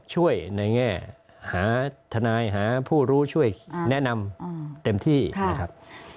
ในแง่หาทนายหาผู้รู้ช่วยแนะนำเต็มที่นะครับ